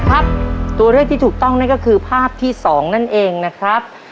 ครับตัวเลือกที่ถูกต้องนั่นก็คือภาพที่สองนั่นเองนะครับ